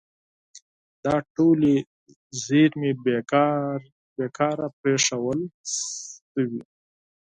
دا ټولې زیرمې بې کاره پرېښودل شوي.